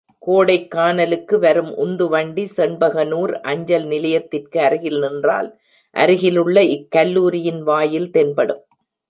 கோடைக்கானலுக்கு வரும் உந்து வண்டி, செண்பகனூர் அஞ்சல் நிலையத்திற்கு அருகில் நின்றால், அருகிலுள்ள இக்கல்லூரியின் வாயில் தென்படும்.